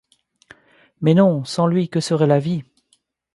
Mais non, sans lui, que serait la vie ?